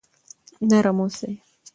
نرم اوسئ.